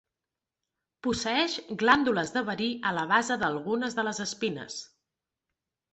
Posseeix glàndules de verí a la base d'algunes de les espines.